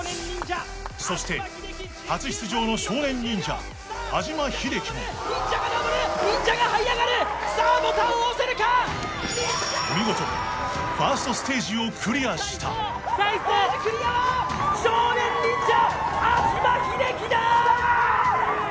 そして初出場の少年忍者安嶋秀生も忍者がはい上がるさあボタンを押せるか見事ファーストステージをクリアした少年忍者安嶋秀生だー！